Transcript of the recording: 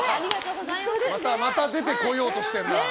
また出てこようとしてるな。